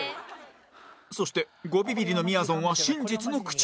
そして５ビビリのみやぞんは真実の口へ